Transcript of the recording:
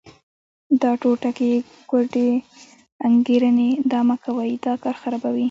دا ټوټکې، کوډې، انګېرنې دا مه کوئ، دا کار خرابوي.